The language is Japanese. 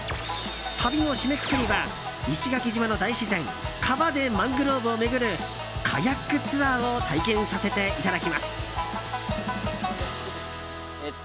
旅の締めくくりは石垣島の大自然川でマングローブを巡るカヤックツアーを体験させていただきます。